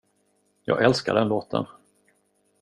Jag älskar den låten.